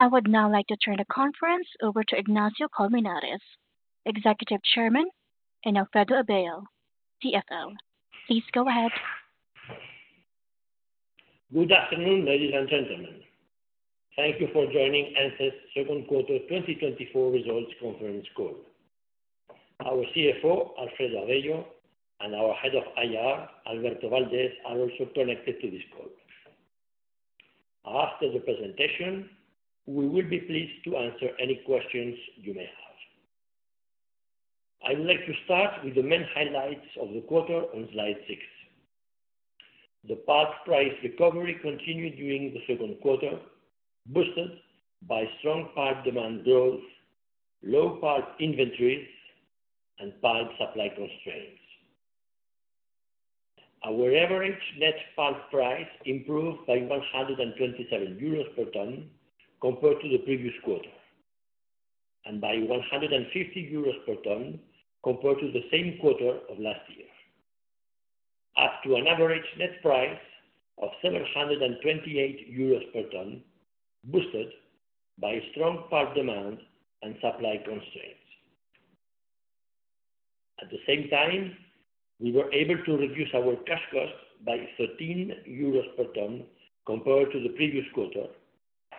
I would now like to turn the conference over to Ignacio Colmenares, Executive Chairman, and Alfredo Avello, Chief Financial Officer. Please go ahead. Good afternoon, ladies and gentlemen. Thank you for joining ENCE's Second Quarter 2024 results conference call. Our CFO, Alfredo Avello, and our Head of IR, Alberto Valdés, are also connected to this call. After the presentation, we will be pleased to answer any questions you may have. I would like to start with the main highlights of the quarter on slide 6. The pulp price recovery continued during the second quarter, boosted by strong pulp demand growth, low pulp inventories, and pulp supply constraints. Our average net pulp price improved by 127 euros per ton, compared to the previous quarter, and by 150 euros per ton, compared to the same quarter of last year. Up to an average net price of 728 euros per ton, boosted by strong pulp demand and supply constraints. At the same time, we were able to reduce our cash cost by 13 euros per ton, compared to the previous quarter,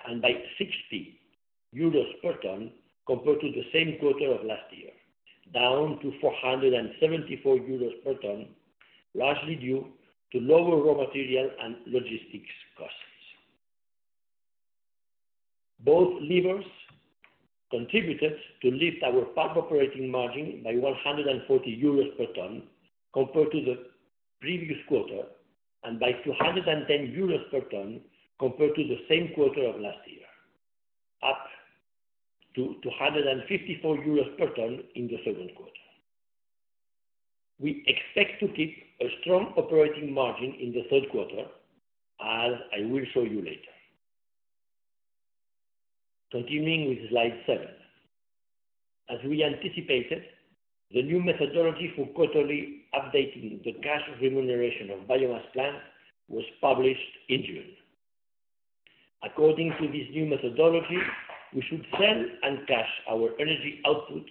and by 60 euros per ton, compared to the same quarter of last year, down to 474 euros per ton, largely due to lower raw material and logistics costs. Both levers contributed to lift our pulp operating margin by 140 euros per ton, compared to the previous quarter, and by 210 euros per ton, compared to the same quarter of last year, up to 254 euros per ton in the second quarter. We expect to keep a strong operating margin in the third quarter, as I will show you later. Continuing with slide 7. As we anticipated, the new methodology for quarterly updating the cash remuneration of biomass plant was published in June. According to this new methodology, we should sell and cash our energy output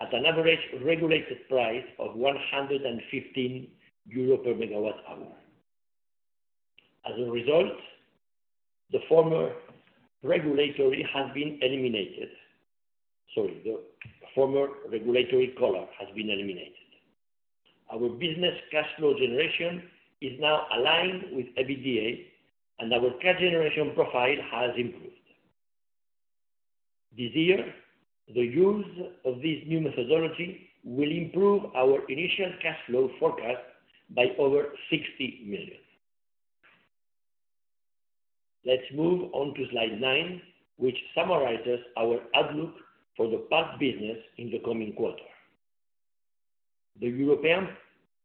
at an average regulated price of 115 euro per MWh. As a result, the former regulatory has been eliminated. Sorry, the former regulatory collar has been eliminated. Our business cash flow generation is now aligned with EBITDA, and our cash generation profile has improved. This year, the use of this new methodology will improve our initial cash flow forecast by over 60 million. Let's move on to slide 9, which summarizes our outlook for the pulp business in the coming quarter. The European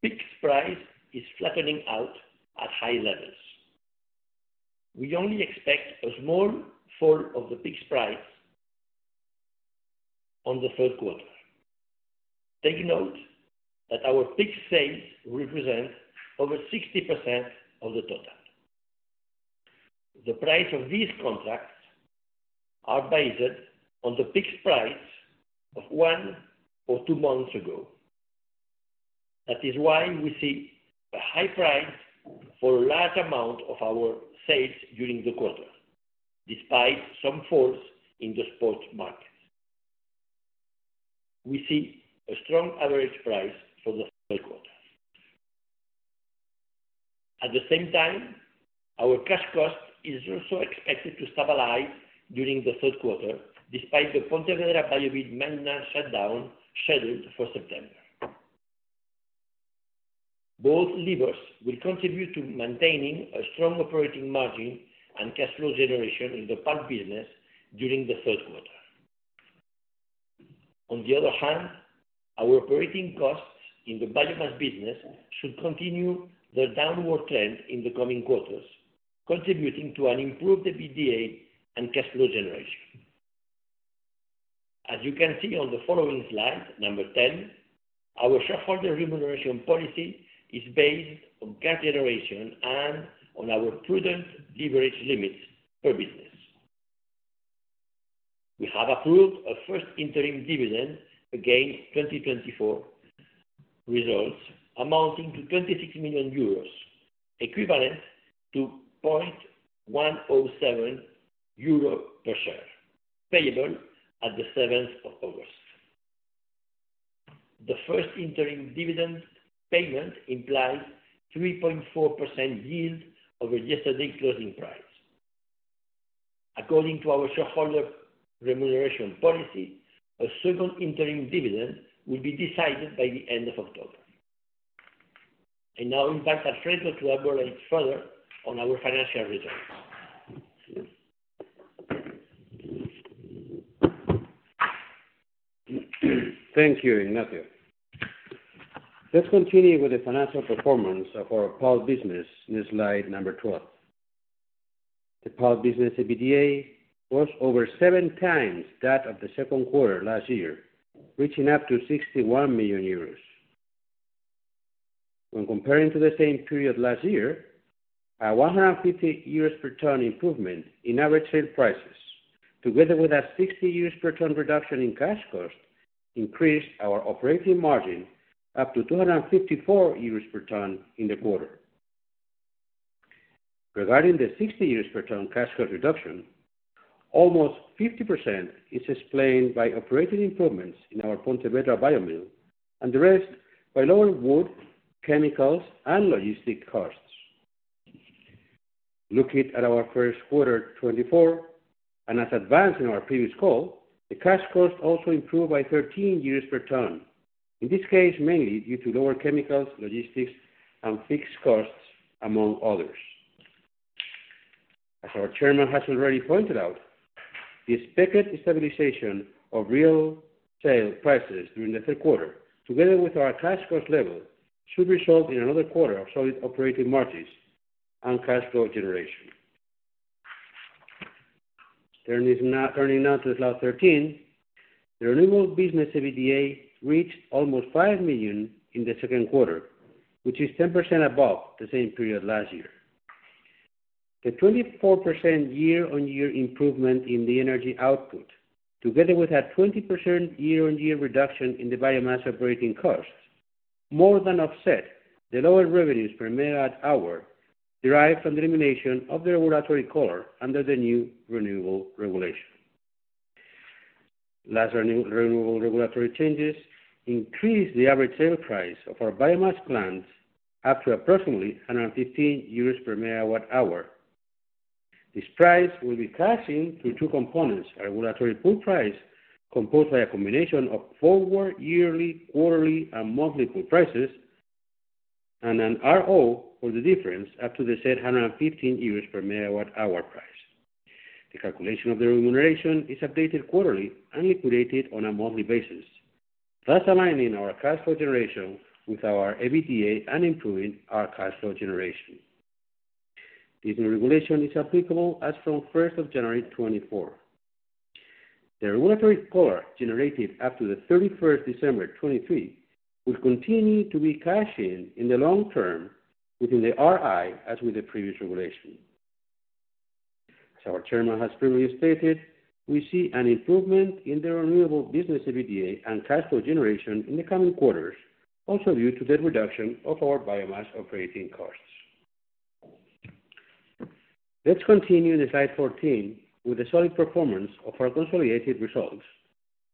PIX price is flattening out at high levels. We only expect a small fall of the PIX price on the third quarter. Take note that our peak sales represent over 60% of the total. The price of these contracts are based on the PIX price of one or two months ago. That is why we see a high price for a large amount of our sales during the quarter, despite some falls in the spot markets. We see a strong average price for the third quarter. At the same time, our cash cost is also expected to stabilize during the third quarter, despite the Pontevedra biomill shutdown scheduled for September. Both levers will contribute to maintaining a strong operating margin and cash flow generation in the pulp business during the third quarter. On the other hand, our operating costs in the biomass business should continue their downward trend in the coming quarters, contributing to an improved EBITDA and cash flow generation. As you can see on the following slide, number 10, our shareholder remuneration policy is based on cash generation and on our prudent leverage limits per business. We have approved a first interim dividend against 2024 results amounting to 26 million euros, equivalent to 0.107 euro per share, payable at the 7th of August. The first interim dividend payment implies 3.4% yield over yesterday's closing price. According to our shareholder remuneration policy, a second interim dividend will be decided by the end of October. I now invite Alfredo to elaborate further on our financial results. Thank you, Ignacio. Let's continue with the financial performance of our pulp business in slide number 12. The pulp business EBITDA was over seven times that of the second quarter last year, reaching up to 61 million euros. When comparing to the same period last year, our 150 euros per ton improvement in average sale prices, together with a 60 euros per ton reduction in cash costs, increased our operating margin up to 254 euros per ton in the quarter. Regarding the 60 euros per ton cash cost reduction, almost 50% is explained by operating improvements in our Pontevedra biomill, and the rest by lower wood, chemicals, and logistic costs. Looking at our first quarter 2024, and as advanced in our previous call, the cash cost also improved by 13 euros per ton. In this case, mainly due to lower chemicals, logistics, and fixed costs, among others. As our chairman has already pointed out, the expected stabilization of real sale prices during the third quarter, together with our cash cost level, should result in another quarter of solid operating margins and cash flow generation. Turning now to slide 13, the renewable business EBITDA reached almost 5 million in the second quarter, which is 10% above the same period last year. The 24% year-on-year improvement in the energy output, together with a 20% year-on-year reduction in the biomass operating costs, more than offset the lower revenues per megawatt hour derived from the elimination of the regulatory collar under the new renewable regulation. Last renewable regulatory changes increased the average sale price of our biomass plants up to approximately 115 euros per megawatt hour. This price will be passing through two components: a regulatory pool price, composed by a combination of forward, yearly, quarterly, and monthly pool prices, and an RO for the difference up to the said 115 euros per MWh price. The calculation of the remuneration is updated quarterly and liquidated on a monthly basis, thus aligning our cash flow generation with our EBITDA and improving our cash flow generation. This new regulation is applicable as from first of January 2024. The regulatory pool generated after the 31st December 2023, will continue to be cashed in, in the long term within the RI, as with the previous regulation. As our chairman has previously stated, we see an improvement in the renewable business EBITDA and cash flow generation in the coming quarters, also due to the reduction of our biomass operating costs. Let's continue to slide 14 with the solid performance of our consolidated results,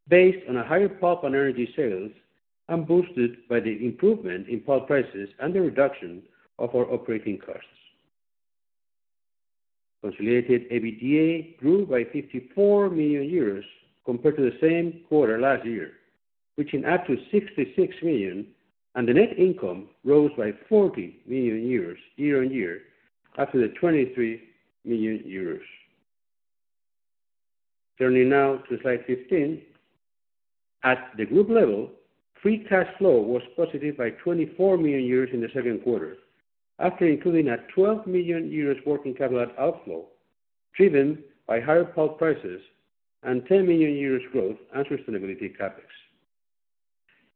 based on a higher pulp and energy sales, and boosted by the improvement in pulp prices and the reduction of our operating costs. Consolidated EBITDA grew by 54 million euros compared to the same quarter last year, reaching up to 66 million, and the net income rose by 40 million euros year on year, up to 23 million euros. Turning now to slide 15. At the group level, free cash flow was positive by 24 million euros in the second quarter, after including a 12 million euros working capital outflow, driven by higher pulp prices and 10 million euros growth and sustainability CapEx.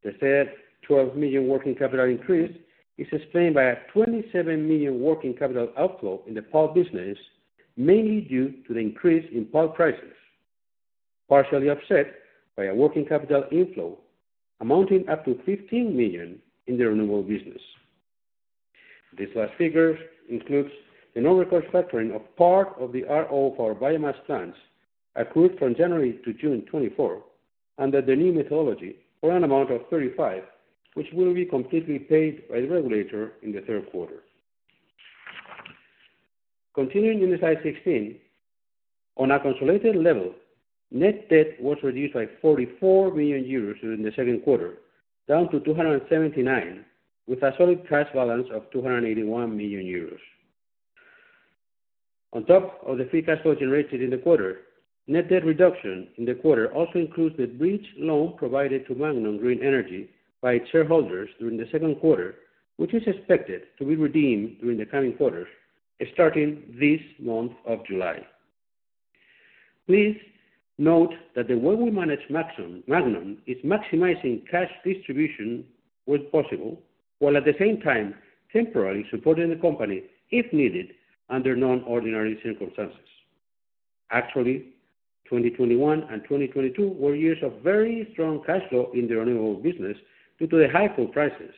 The said 12 million working capital increase is explained by a 27 million working capital outflow in the pulp business, mainly due to the increase in pulp prices, partially offset by a working capital inflow amounting up to 15 million in the renewable business. This last figure includes the normal factoring of part of the RO of our biomass plants, accrued from January to June 2024, under the new methodology for an amount of 35 million, which will be completely paid by the regulator in the third quarter. Continuing in the slide 16, on a consolidated level, net debt was reduced by 44 million euros during the second quarter, down to 279 million, with a solid cash balance of 281 million euros. On top of the free cash flow generated in the quarter, net debt reduction in the quarter also includes the bridge loan provided to Magnon Green Energy by its shareholders during the second quarter, which is expected to be redeemed during the coming quarters, starting this month of July. Please note that the way we manage Magnon, is maximizing cash distribution where possible, while at the same time temporarily supporting the company, if needed, under non-ordinary circumstances. Actually, 2021 and 2022 were years of very strong cash flow in the renewable business due to the high pool prices,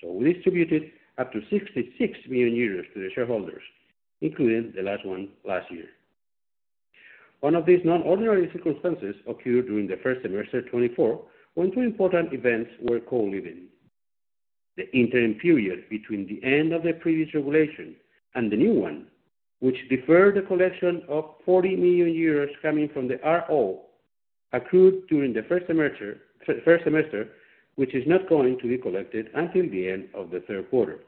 so we distributed up to 66 million euros to the shareholders, including the last one last year. One of these non-ordinary circumstances occurred during the first semester of 2024, when two important events were co-leading. The interim period between the end of the previous regulation and the new one, which deferred the collection of 40 million euros coming from the RO, accrued during the first semester, which is not going to be collected until the end of the third quarter.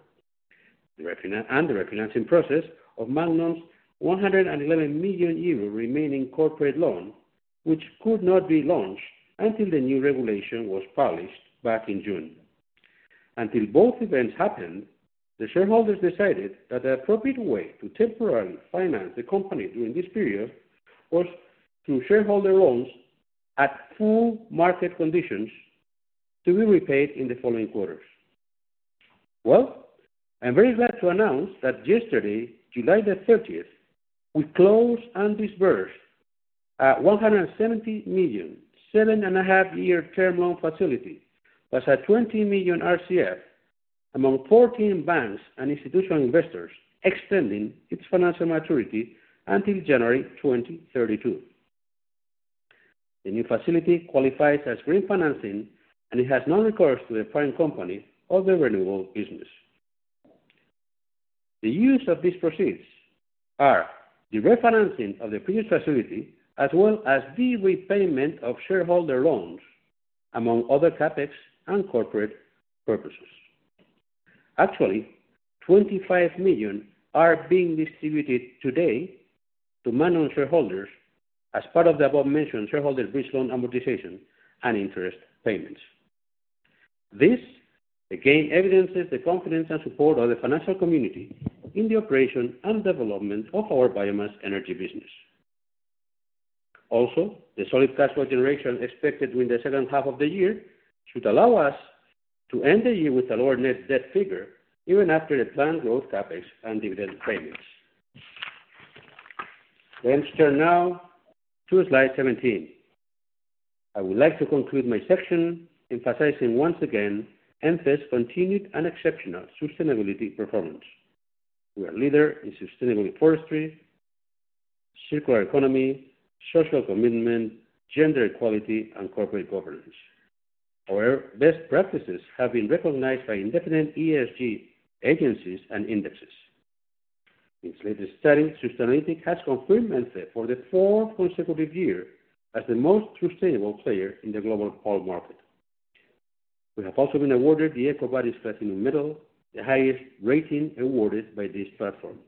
The refinancing process of Magnon's 111 million euro remaining corporate loan, which could not be launched until the new regulation was published back in June. Until both events happened, the shareholders decided that the appropriate way to temporarily finance the company during this period was through shareholder loans at full market conditions, to be repaid in the following quarters. Well, I'm very glad to announce that yesterday, July 30, we closed and disbursed a 170 million, 7.5-year term loan facility, plus a 20 million RCF among 14 banks and institutional investors, extending its financial maturity until January 2032. The new facility qualifies as green financing, and it has non-recourse to the parent company of the renewable business. The use of these proceeds are the refinancing of the previous facility, as well as the repayment of shareholder loans, among other CapEx and corporate purposes. Actually, 25 million are being distributed today to minority shareholders as part of the above-mentioned shareholder bridge loan amortization and interest payments. This, again, evidences the confidence and support of the financial community in the operation and development of our biomass energy business. Also, the solid cash flow generation expected during the second half of the year should allow us to end the year with a lower net debt figure, even after the planned growth CapEx and dividend payments. Let's turn now to slide 17. I would like to conclude my section emphasizing once again, Ence's continued and exceptional sustainability performance. We are leader in sustainable forestry, circular economy, social commitment, gender equality, and corporate governance. Our best practices have been recognized by independent ESG agencies and indexes. In its latest study, Sustainalytics has confirmed Ence for the fourth consecutive year as the most sustainable player in the global pulp market. We have also been awarded the EcoVadis Platinum Medal, the highest rating awarded by this platform,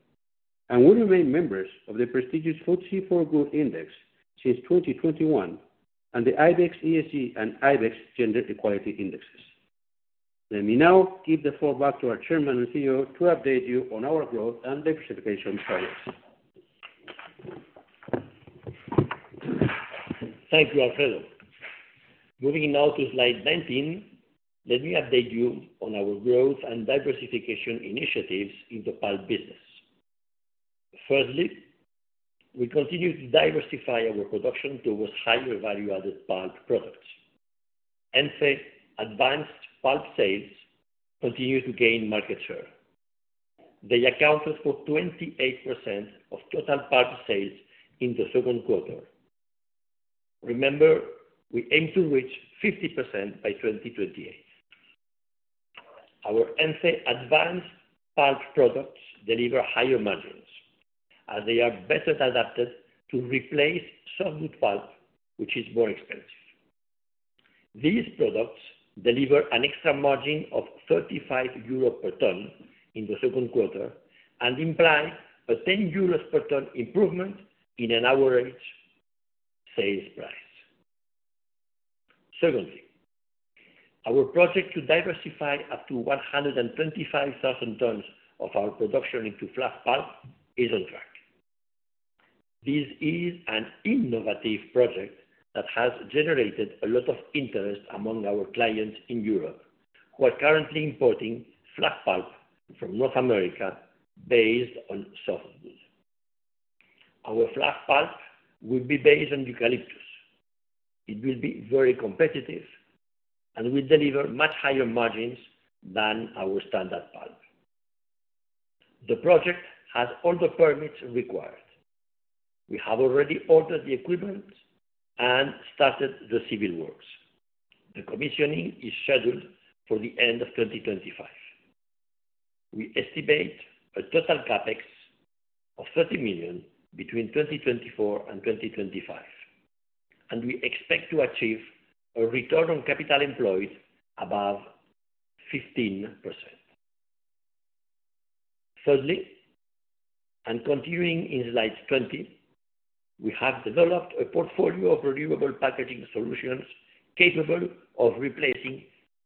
and we remain members of the prestigious FTSE4Good Index since 2021, and the IBEX ESG and IBEX Gender Equality Indexes. Let me now give the floor back to our Chairman and CEO to update you on our growth and diversification projects. Thank you, Alfredo. Moving now to slide 19, let me update you on our growth and diversification initiatives in the pulp business. Firstly, we continue to diversify our production towards higher value-added pulp products. Ence Advanced Pulp sales continue to gain market share. They accounted for 28% of total pulp sales in the second quarter. Remember, we aim to reach 50% by 2028. Our Ence Advanced Pulp products deliver higher margins, as they are better adapted to replace softwood pulp, which is more expensive. These products deliver an extra margin of 35 euros per ton in the second quarter and imply a 10 euros per ton improvement in an average sales price. Secondly, our project to diversify up to 125,000 tons of our production into fluff pulp is on track. This is an innovative project that has generated a lot of interest among our clients in Europe, who are currently importing fluff pulp from North America, based on softwood. Our fluff pulp will be based on eucalyptus. It will be very competitive, and will deliver much higher margins than our standard pulp. The project has all the permits required. We have already ordered the equipment and started the civil works. The commissioning is scheduled for the end of 2025. We estimate a total CapEx of 30 million between 2024 and 2025, and we expect to achieve a return on capital employed above 15%. Thirdly, and continuing in slide 20, we have developed a portfolio of renewable packaging solutions capable of replacing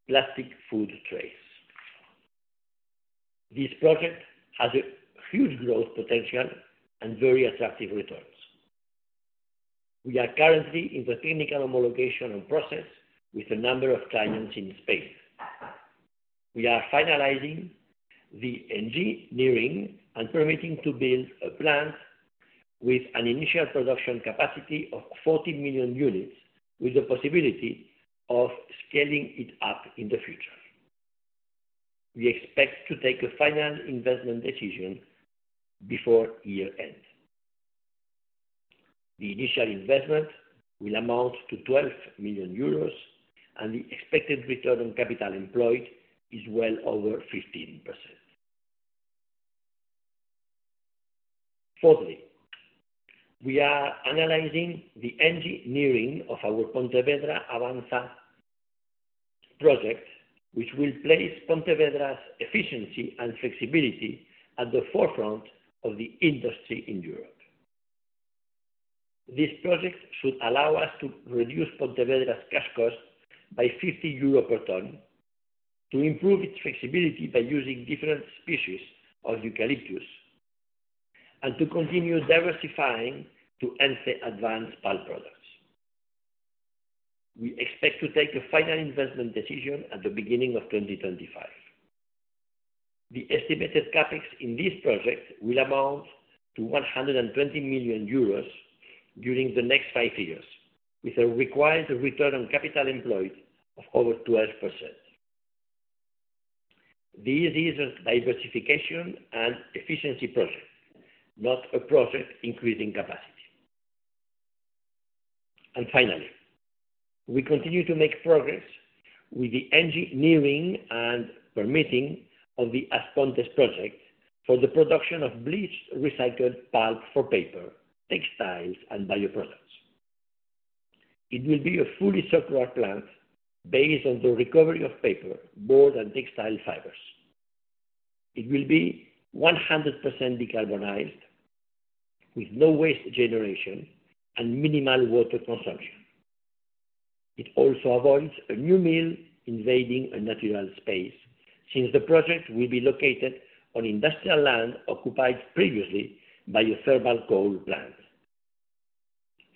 plastic food trays. This project has a huge growth potential and very attractive returns. We are currently in the technical homologation and process with a number of clients in Spain. We are finalizing the engineering and permitting to build a plant with an initial production capacity of 40 million units, with the possibility of scaling it up in the future. We expect to take a final investment decision before year-end. The initial investment will amount to 12 million euros, and the expected return on capital employed is well over 15%. Fourthly, we are analyzing the engineering of our Pontevedra Avanza project, which will place Pontevedra's efficiency and flexibility at the forefront of the industry in Europe. This project should allow us to reduce Pontevedra's cash cost by 50 euro per ton, to improve its flexibility by using different species of eucalyptus, and to continue diversifying to Ence Advanced pulp products. We expect to take a final investment decision at the beginning of 2025. The estimated CapEx in this project will amount to 120 million euros during the next 5 years, with a required return on capital employed of over 12%. This is a diversification and efficiency project, not a project increasing capacity. Finally, we continue to make progress with the engineering and permitting of the As Pontes project for the production of bleached, recycled pulp for paper, textiles, and bioproducts. It will be a fully circular plant based on the recovery of paper, board, and textile fibers. It will be 100% decarbonized, with no waste generation and minimal water consumption. It also avoids a new mill invading a natural space, since the project will be located on industrial land occupied previously by a thermal coal plant.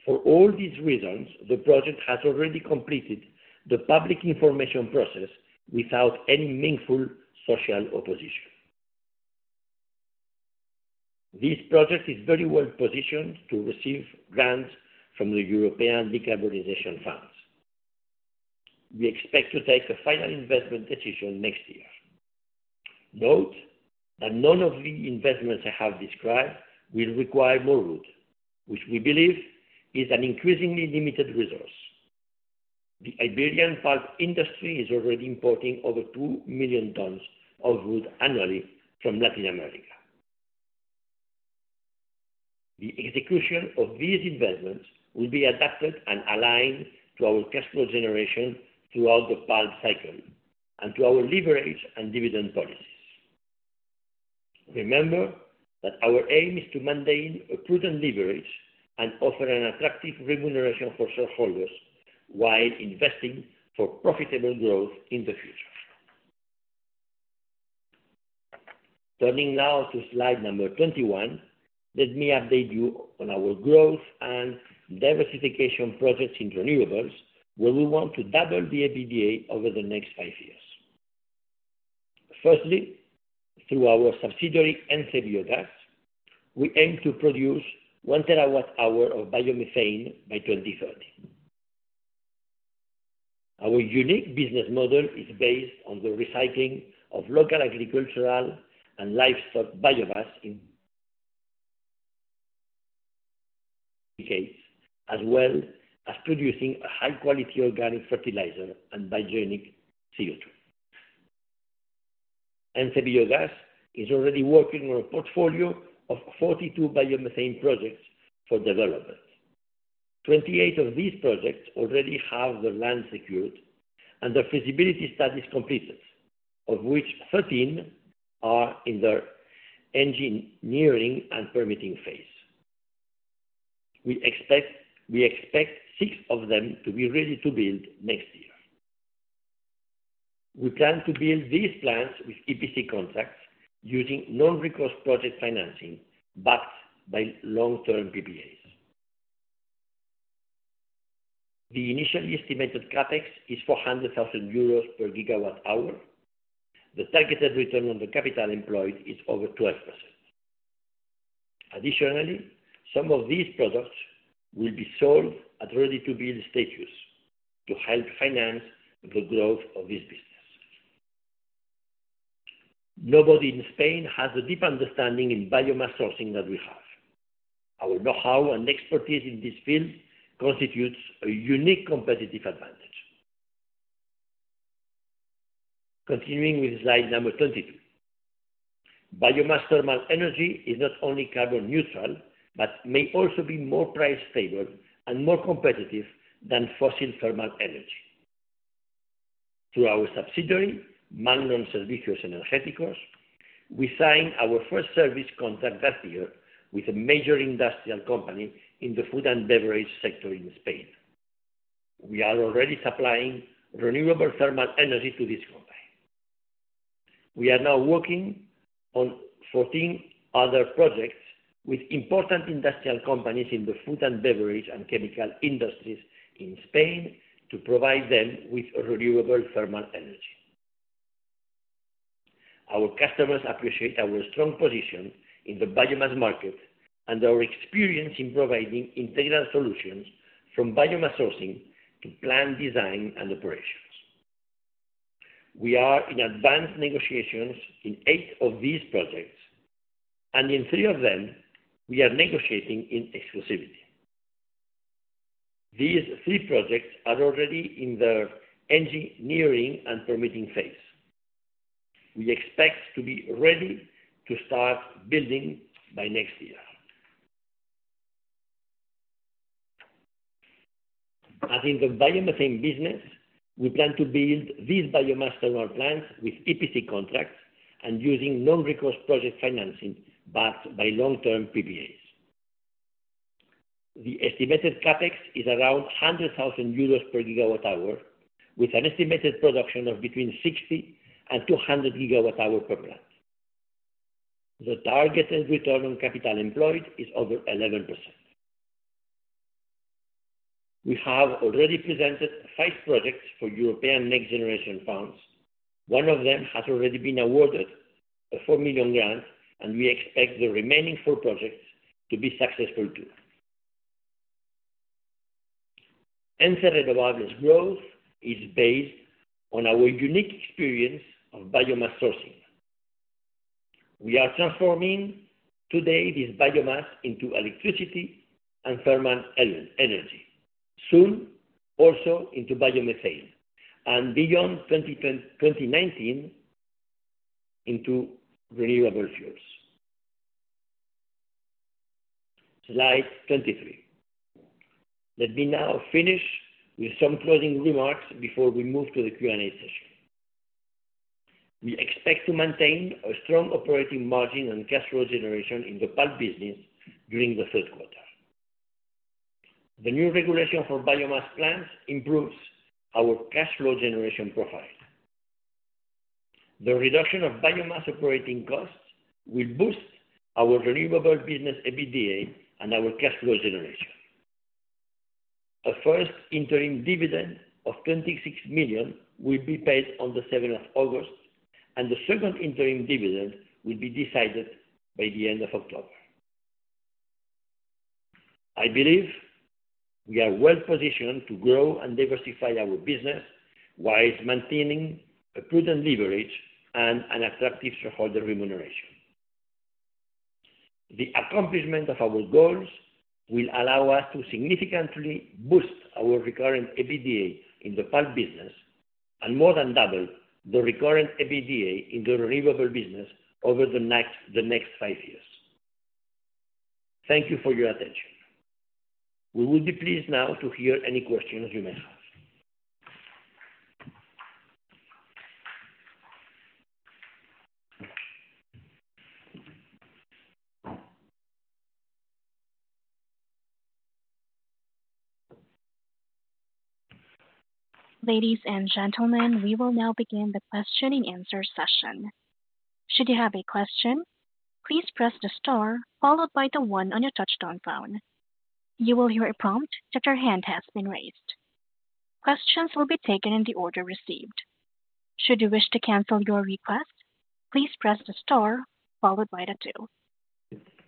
For all these reasons, the project has already completed the public information process without any meaningful social opposition. This project is very well positioned to receive grants from the European Decarbonization Funds. We expect to take a final investment decision next year. Note that none of the investments I have described will require more wood, which we believe is an increasingly limited resource. The Iberian pulp industry is already importing over 2 million tons of wood annually from Latin America. The execution of these investments will be adapted and aligned to our cash flow generation throughout the pulp cycle and to our leverage and dividend policies. Remember that our aim is to maintain a prudent leverage and offer an attractive remuneration for shareholders while investing for profitable growth in the future. Turning now to slide number 21, let me update you on our growth and diversification projects in renewables, where we want to double the EBITDA over the next five years. Firstly, through our subsidiary, Ence Biogas, we aim to produce 1 terawatt hour of biomethane by 2030. Our unique business model is based on the recycling of local agricultural and livestock biogas industries, as well as producing a high-quality organic fertilizer and biogenic CO2. Ence Biogas is already working on a portfolio of 42 biomethane projects for development. Twenty-eight of these projects already have their land secured and their feasibility studies completed, of which 13 are in their engineering and permitting phase. We expect six of them to be ready to build next year. We plan to build these plants with EPC contracts using non-recourse project financing backed by long-term PPAs. The initially estimated CapEx is 400,000 euros per gigawatt hour. The targeted return on the capital employed is over 12%. Additionally, some of these products will be sold at ready-to-build status to help finance the growth of this business. Nobody in Spain has a deep understanding in biomass sourcing that we have. Our know-how and expertise in this field constitutes a unique competitive advantage. Continuing with slide number 22. Biomass thermal energy is not only carbon neutral, but may also be more price stable and more competitive than fossil thermal energy. Through our subsidiary, Magnon Servicios Energéticos, we signed our first service contract last year with a major industrial company in the food and beverage sector in Spain. We are already supplying renewable thermal energy to this company. We are now working on 14 other projects with important industrial companies in the food and beverage and chemical industries in Spain to provide them with renewable thermal energy. Our customers appreciate our strong position in the biomass market and our experience in providing integrated solutions from biomass sourcing to plant design and operations. We are in advanced negotiations in 8 of these projects, and in 3 of them, we are negotiating in exclusivity. These 3 projects are already in the engineering and permitting phase. We expect to be ready to start building by next year. As in the biomethane business, we plan to build these biomass thermal plants with EPC contracts and using non-recourse project financing, but by long-term PPAs. The estimated CapEx is around 100,000 euros per GWh, with an estimated production of between 60GWh-200 GWh per plant. The targeted return on capital employed is over 11%. We have already presented five projects for European next generation funds. One of them has already been awarded a 4 million grant, and we expect the remaining four projects to be successful, too. Ence Renovables growth is based on our unique experience of biomass sourcing. We are transforming today this biomass into electricity and thermal energy, soon also into biomethane, and beyond 2019, into renewable fuels. Slide 23. Let me now finish with some closing remarks before we move to the Q&A session. We expect to maintain a strong operating margin and cash flow generation in the pulp business during the third quarter. The new regulation for biomass plants improves our cash flow generation profile. The reduction of biomass operating costs will boost our renewable business, EBITDA, and our cash flow generation. A first interim dividend of 26 million will be paid on the seventh of August, and the second interim dividend will be decided by the end of October. I believe we are well positioned to grow and diversify our business, while maintaining a prudent leverage and an attractive shareholder remuneration. The accomplishment of our goals will allow us to significantly boost our recurring EBITDA in the pulp business, and more than double the recurring EBITDA in the renewable business over the next 5 years. Thank you for your attention. We will be pleased now to hear any questions you may have. Ladies and gentlemen, we will now begin the question and answer session. Should you have a question, please press the star followed by the one on your touchtone phone. You will hear a prompt that your hand has been raised. Questions will be taken in the order received. Should you wish to cancel your request, please press the star followed by the two.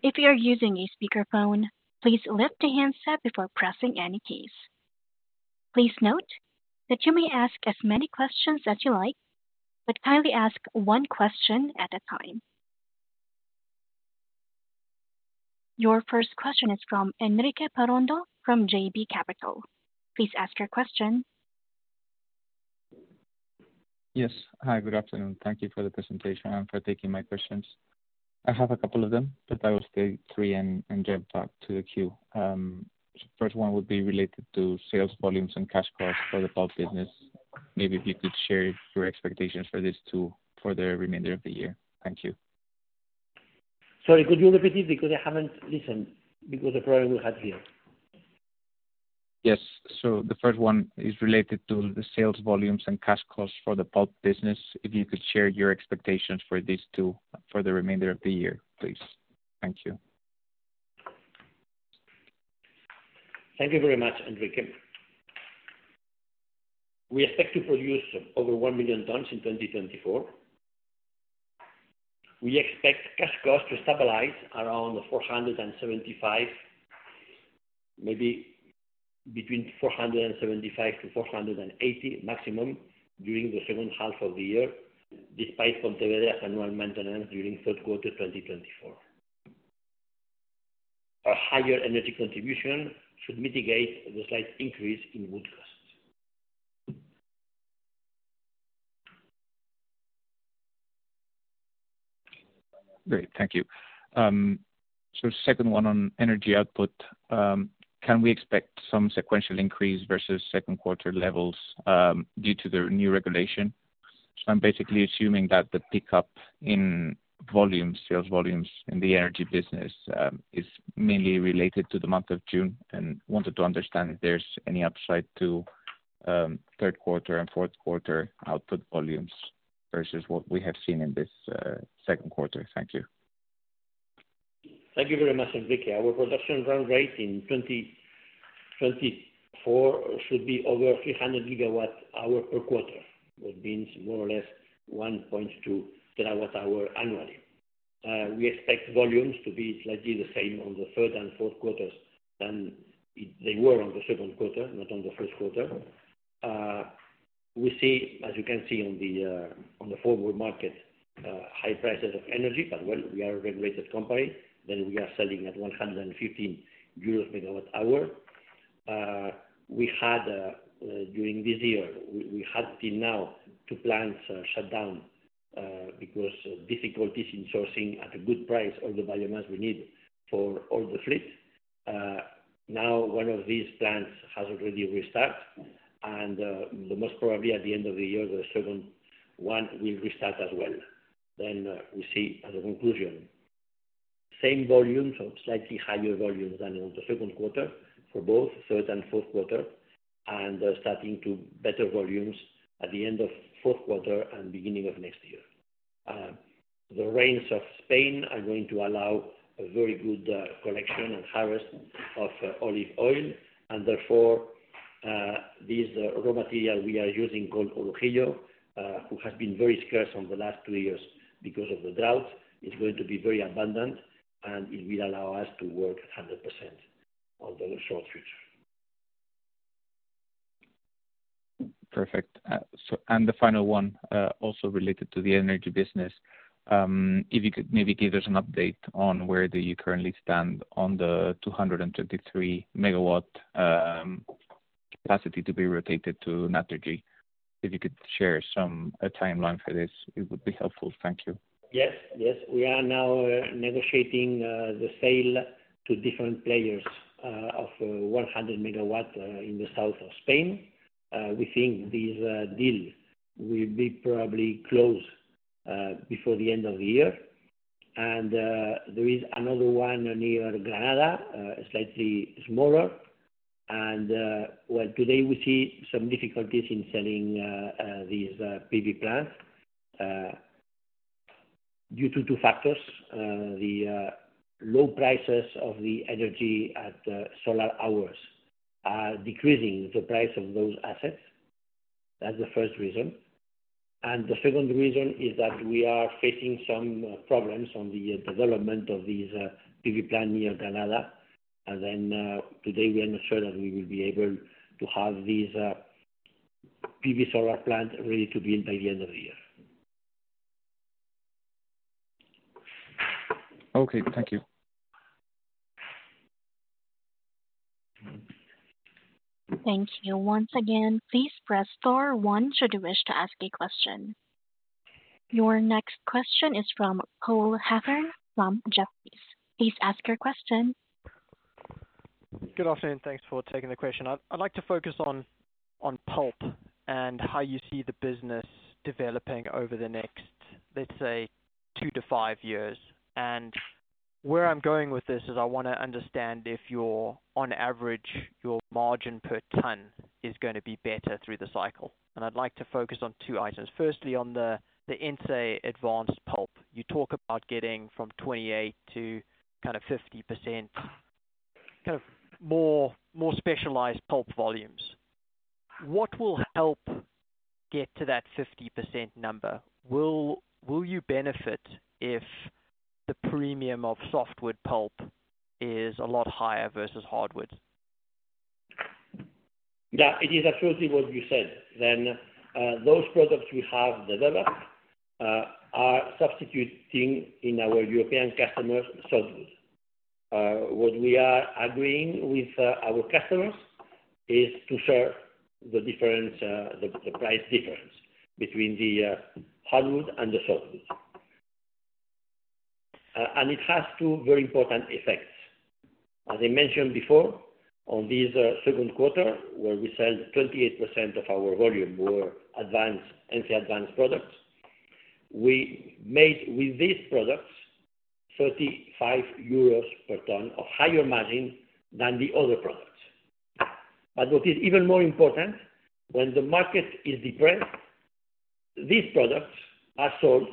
If you are using a speakerphone, please lift the handset before pressing any keys. Please note that you may ask as many questions as you like, but kindly ask one question at a time. Your first question is from Enrique Parrondo, from JB Capital. Please ask your question. Yes. Hi, good afternoon. Thank you for the presentation and for taking my questions. I have a couple of them, but I will state three and jump back to the queue. First one would be related to sales volumes and cash costs for the pulp business. Maybe if you could share your expectations for these two for the remainder of the year. Thank you. Sorry, could you repeat it? Because I haven't listened, because the problem we had here. Yes. So the first one is related to the sales volumes and cash costs for the pulp business. If you could share your expectations for these two for the remainder of the year, please. Thank you. Thank you very much, Enrique. We expect to produce over 1 million tons in 2024. We expect cash costs to stabilize around 475, maybe between 475 to 480 maximum during the second half of the year, despite Pontevedra's annual maintenance during third quarter 2024. A higher energy contribution should mitigate the slight increase in wood costs. Great, thank you. So second one on energy output. Can we expect some sequential increase versus second quarter levels, due to the new regulation? So I'm basically assuming that the pickup in volume, sales volumes in the energy business, is mainly related to the month of June, and wanted to understand if there's any upside to, third quarter and fourth quarter output volumes versus what we have seen in this, second quarter. Thank you. Thank you very much, Enrique. Our production run rate in 2024 should be over 300 GWh per quarter, which means more or less 1.2 TWh annually. We expect volumes to be slightly the same on the third and fourth quarters than they were on the second quarter, not on the first quarter. We see, as you can see on the forward market, high prices of energy, but well, we are a regulated company, then we are selling at 115 EUR/MWh. We had, during this year, we had till now, 2 plants shut down because of difficulties in sourcing at a good price, all the biomass we need for all the fleet. Now, one of these plants has already restarted, and, the most probably at the end of the year, the second one will restart as well. Then, we see as a conclusion, same volumes or slightly higher volumes than in the second quarter for both third and fourth quarter, and starting to better volumes at the end of fourth quarter and beginning of next year. The rains of Spain are going to allow a very good, collection and harvest of olive oil, and therefore, these raw material we are using, called orujillo, which has been very scarce in the last two years because of the drought, is going to be very abundant, and it will allow us to work 100% in the short future. Perfect. So and the final one, also related to the energy business. If you could maybe give us an update on where do you currently stand on the 223 MW capacity to be rotated to Naturgy? If you could share some a timeline for this, it would be helpful. Thank you. Yes, yes. We are now negotiating the sale to different players of 100 MW in the south of Spain. We think this deal will be probably closed before the end of the year. There is another one near Granada, slightly smaller. Well, today we see some difficulties in selling these PV plants due to two factors. The low prices of the energy at the solar hours are decreasing the price of those assets. That's the first reason. And the second reason is that we are facing some problems on the development of these PV plant near Granada. Then, today we are not sure that we will be able to have these PV solar plant ready to be in by the end of the year. Okay, thank you. Thank you. Once again, please press star one, should you wish to ask a question. Your next question is from Cole Hathorn from Jefferies. Please ask your question. Good afternoon, thanks for taking the question. I'd, I'd like to focus on, on pulp and how you see the business developing over the next, let's say, two to five years. And where I'm going with this is I want to understand if your, on average, your margin per ton is gonna be better through the cycle. And I'd like to focus on two items. Firstly, on the, the Ence Advanced pulp. You talk about getting from 28% to kind of 50%, kind of more, more specialized pulp volumes. What will help get to that 50% number? Will, will you benefit if the premium of softwood pulp is a lot higher versus hardwood? Yeah, it is absolutely what you said. Then, those products we have developed are substituting in our European customers' softwoods. What we are agreeing with our customers is to share the difference, the price difference between the hardwood and the softwoods. And it has two very important effects. As I mentioned before, on this second quarter, where we sell 28% of our volume, Ence Advanced products. We made with these products 35 euros per ton of higher margin than the other products. But what is even more important, when the market is depressed, these products are sold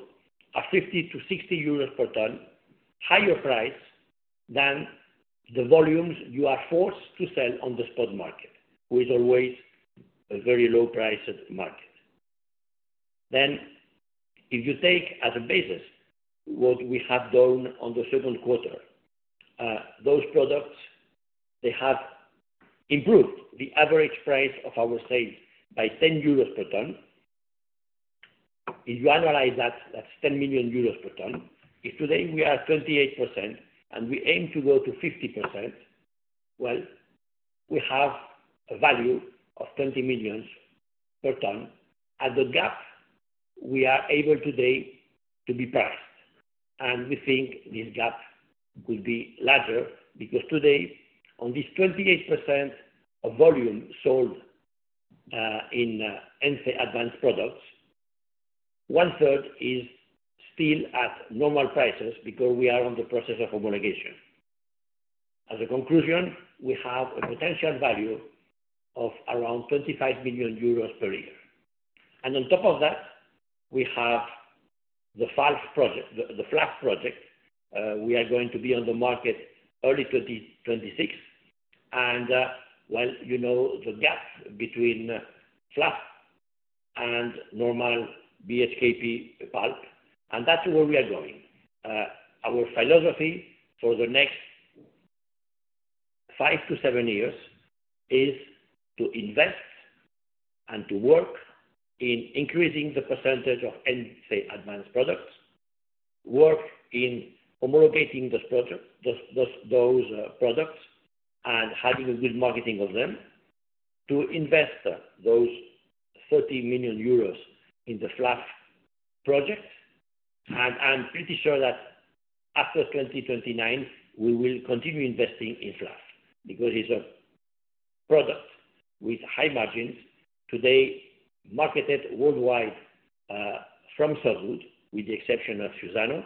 at 50-60 euros per ton higher price than the volumes you are forced to sell on the spot market, which is always a very low price at the market. Then, if you take as a basis what we have done on the second quarter, those products, they have improved the average price of our sales by 10 euros per ton. If you annualize that, that's 10 million euros per ton. If today we are 28% and we aim to go to 50%, well, we have a value of 20 million per ton, and the gap we are able today to be passed. And we think this gap will be larger because today, on this 28% of volume sold in Ence Advanced products, one-third is still at normal prices because we are on the process of homologation. As a conclusion, we have a potential value of around 25 million euros per year. And on top of that, we have the fluff project, the fluff project. We are going to be on the market early 2026. And, well, you know, the gap between fluff and normal BHKP pulp, and that's where we are going. Our philosophy for the next 5-7 years is to invest and to work in increasing the percentage of Ence Advanced products, work in homologating this project, those products, and having a good marketing of them to invest those 40 million euros in the fluff project. And I'm pretty sure that after 2029, we will continue investing in fluff because it's a product with high margins today, marketed worldwide from softwood, with the exception of Suzano.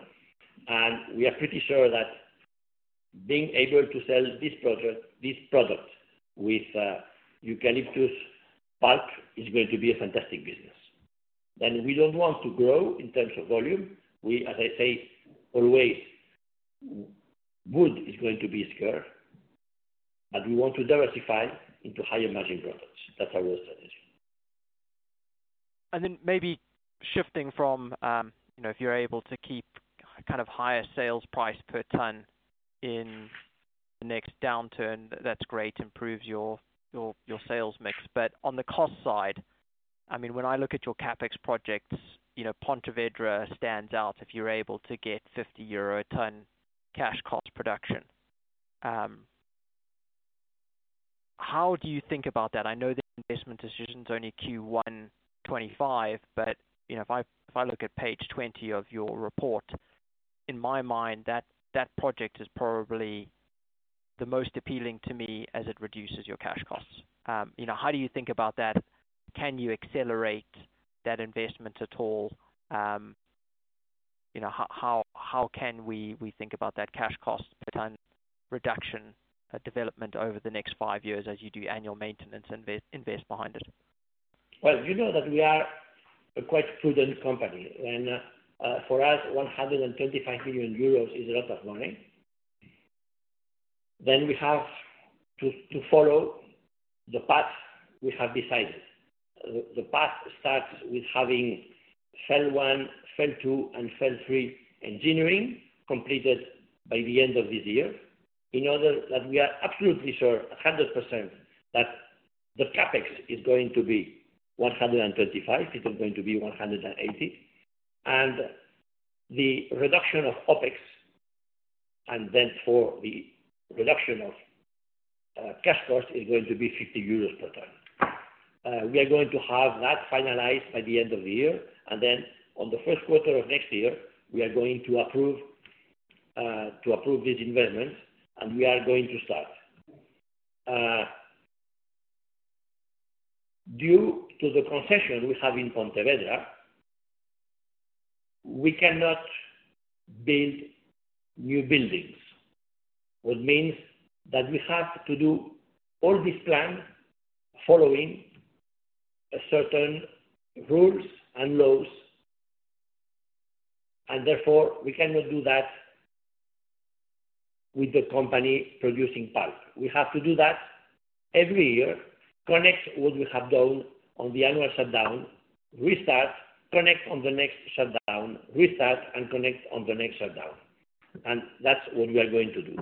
And we are pretty sure that being able to sell this project, this product with eucalyptus pulp is going to be a fantastic business. Then we don't want to grow in terms of volume. We, as I say, always, wood is going to be scarce, but we want to diversify into higher margin products. That's our strategy. And then maybe shifting from, you know, if you're able to keep kind of higher sales price per ton in the next downturn, that's great, improves your, your, your sales mix. But on the cost side, I mean, when I look at your CapEx projects, you know, Pontevedra stands out if you're able to get 50 EUR/ton cash cost production. How do you think about that? I know the investment decision is only Q1 2025, but, you know, if I, if I look at page 20 of your report, in my mind, that, that project is probably the most appealing to me as it reduces your cash costs. You know, how do you think about that? Can you accelerate that investment at all? You know, how can we think about that cash cost per ton reduction development over the next five years as you do annual maintenance and invest behind it? Well, you know that we are a quite prudent company, and for us, 125 million euros is a lot of money. Then we have to follow the path we have decided. The path starts with having FEL 1, FEL 2, and FEL 3 engineering completed by the end of this year. In order that we are absolutely sure, 100%, that the CapEx is going to be 125, it is going to be 180, and the reduction of OpEx, and then for the reduction of cash cost is going to be 50 euros per ton. We are going to have that finalized by the end of the year, and then on the first quarter of next year, we are going to approve to approve these investments, and we are going to start. Due to the concession we have in Pontevedra, we cannot build new buildings, what means that we have to do all this plan following a certain rules and laws, and therefore, we cannot do that with the company producing pulp. We have to do that every year, connect what we have done on the annual shutdown, restart, connect on the next shutdown, restart and connect on the next shutdown. That's what we are going to do.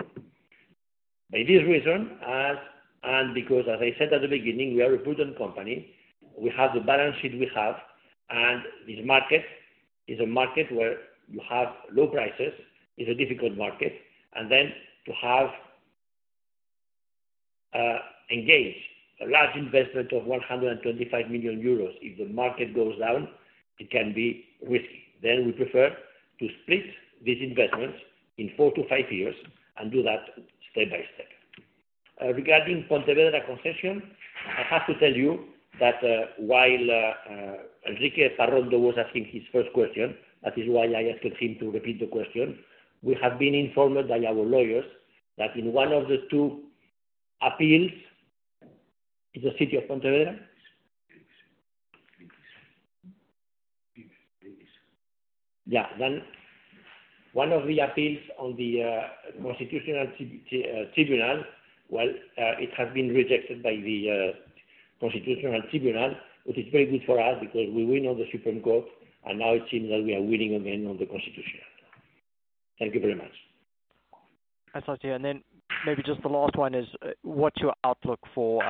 By this reason, as, and because, as I said at the beginning, we are a prudent company, we have the balance sheet we have, and this market is a market where you have low prices, is a difficult market, and then to have, engage a large investment of 125 million euros, if the market goes down, it can be risky. Then we prefer to split these investments in four to five years and do that step by step. Regarding Pontevedra concession, I have to tell you that while Enrique Parrondo was asking his first question, that is why I asked him to repeat the question. We have been informed by our lawyers that in one of the two appeals to the city of Pontevedra... Yeah, then one of the appeals on the constitutional tribunal, well, it has been rejected by the constitutional tribunal, which is very good for us because we win on the Supreme Court, and now it seems that we are winning again on the Constitution. Thank you very much. Thanks, again. And then maybe just the last one is, what's your outlook for,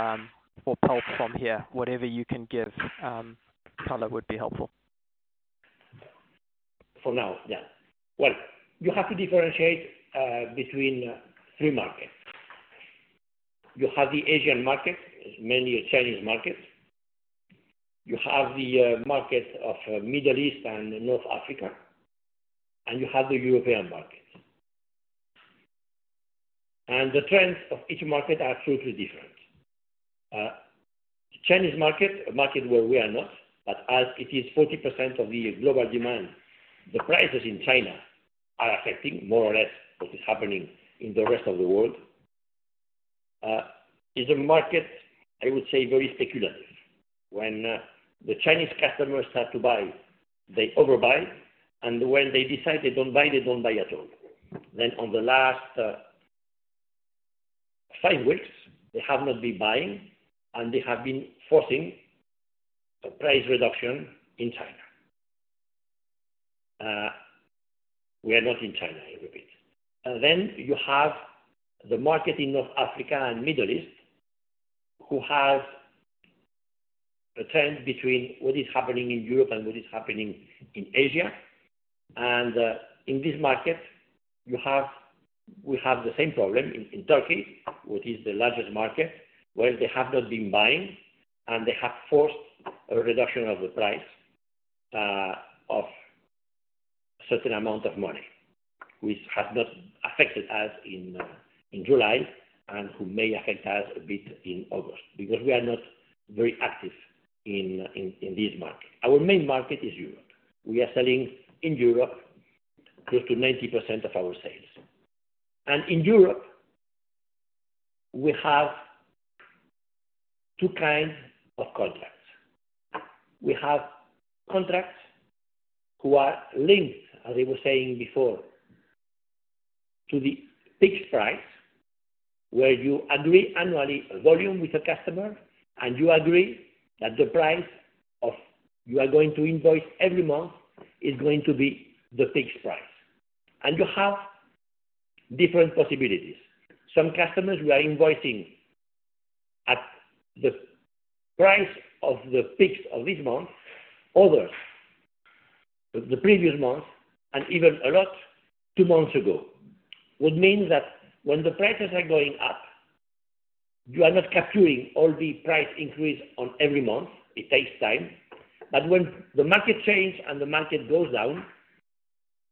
for pulp from here? Whatever you can give, color would be helpful. For now, yeah. Well, you have to differentiate between three markets. You have the Asian market, mainly a Chinese market. You have the market of Middle East and North Africa, and you have the European market. The trends of each market are absolutely different. The Chinese market, a market where we are not, but as it is 40% of the global demand, the prices in China are affecting more or less what is happening in the rest of the world. It is a market, I would say, very speculative. When the Chinese customers start to buy, they overbuy, and when they decide they don't buy, they don't buy at all. Then on the last five weeks, they have not been buying, and they have been forcing a price reduction in China. We are not in China, I repeat. And then you have the market in North Africa and Middle East, who have a trend between what is happening in Europe and what is happening in Asia. In this market, you have, we have the same problem in Turkey, which is the largest market, where they have not been buying, and they have forced a reduction of the price of a certain amount of money, which has not affected us in July, and who may affect us a bit in August, because we are not very active in this market. Our main market is Europe. We are selling in Europe, close to 90% of our sales. In Europe, we have two kinds of contracts. We have contracts who are linked, as I was saying before, to the fixed price, where you agree annually a volume with a customer, and you agree that the price of you are going to invoice every month is going to be the fixed price. You have different possibilities. Some customers we are invoicing at the price of the fixed of this month, others, the previous month, and even a lot, two months ago. Would mean that when the prices are going up, you are not capturing all the price increase on every month. It takes time. But when the market change and the market goes down,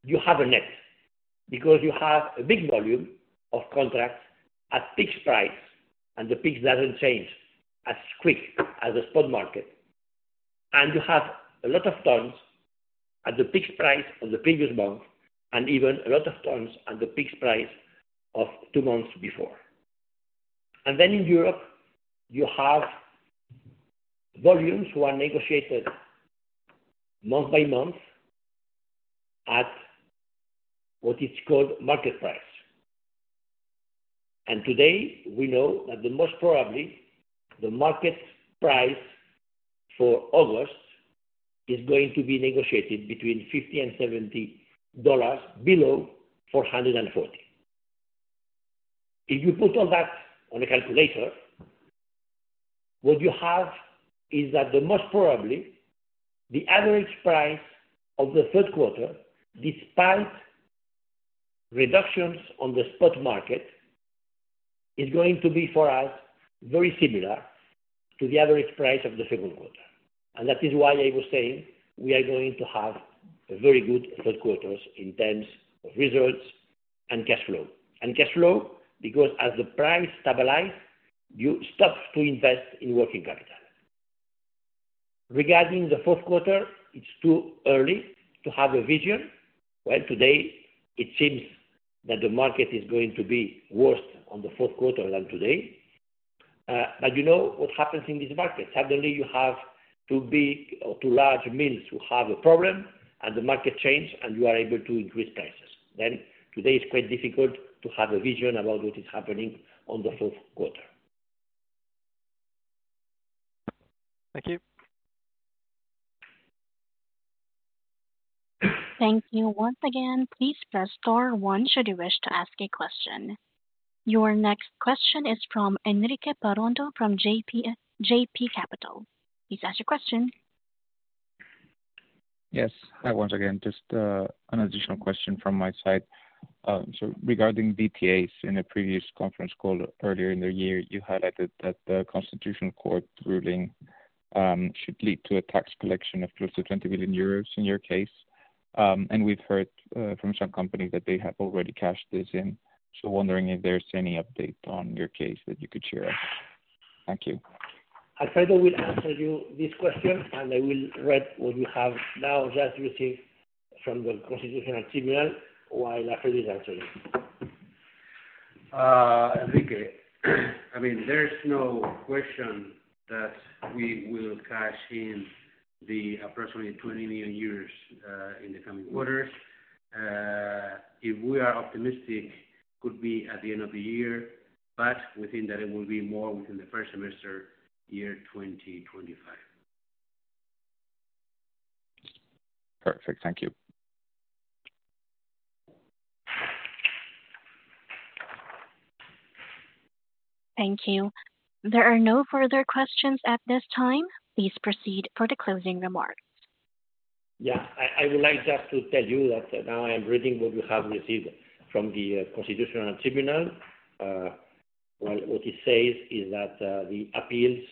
you have a net, because you have a big volume of contracts at fixed price, and the fixed doesn't change as quick as the spot market. And you have a lot of tons at the fixed price on the previous month, and even a lot of tons at the fixed price of two months before. And then in Europe, you have volumes who are negotiated month by month at what is called market price. And today, we know that the most probably, the market price for August is going to be negotiated between $50 and $70 below $440. If you put all that on a calculator, what you have is that the most probably, the average price of the third quarter, despite reductions on the spot market, is going to be, for us, very similar to the average price of the second quarter. And that is why I was saying we are going to have a very good third quarters in terms of results and cash flow. Cash flow, because as the price stabilize, you stop to invest in working capital. Regarding the fourth quarter, it's too early to have a vision. Well, today it seems that the market is going to be worse on the fourth quarter than today. But you know what happens in this market? Suddenly you have two big or two large mills who have a problem, and the market change, and you are able to increase prices. Then, today it's quite difficult to have a vision about what is happening on the fourth quarter. Thank you. Thank you. Once again, please press star one should you wish to ask a question. Your next question is from Enrique Parrondo, from JB Capital. Please ask your question. Yes. Hi once again, just, an additional question from my side. So regarding DTAs, in a previous conference call earlier in the year, you highlighted that the Constitutional Court ruling should lead to a tax collection of close to 20 million euros in your case. And we've heard from some companies that they have already cashed this in. So wondering if there's any update on your case that you could share? Thank you. Alfredo will answer you this question, and I will read what we have now just received from the Constitutional Tribunal, while Alfredo answers you. Enrique, I mean, there's no question that we will cash in the approximately 20 million in the coming quarters. If we are optimistic, could be at the end of the year, but within that it will be more within the first semester, year 2025. Perfect. Thank you. Thank you. There are no further questions at this time. Please proceed for the closing remarks. Yeah. I would like just to tell you that now I am reading what we have received from the Constitutional Tribunal. Well, what it says is that the appeals,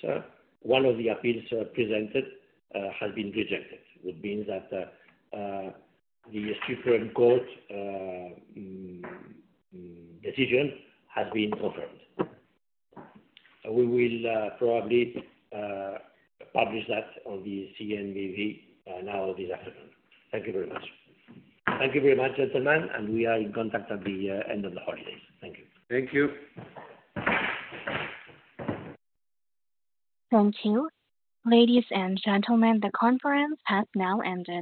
one of the appeals presented has been rejected. Would mean that the Supreme Court decision has been confirmed. We will probably publish that on the CNMV now this afternoon. Thank you very much. Thank you very much, gentlemen, and we are in contact at the end of the holidays. Thank you. Thank you. Thank you. Ladies and gentlemen, the conference has now ended.